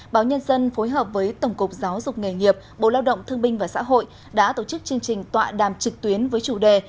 báo nhân dân phối hợp với tổng cục giáo dục nghề nghiệp bộ lao động thương binh và xã hội đã tổ chức chương trình tọa đàm trực tuyến với chủ đề